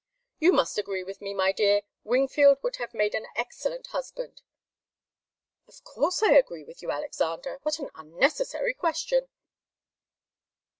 You must agree with me, my dear Wingfield would have made an excellent husband." "Of course I agree with you, Alexander. What an unnecessary question!"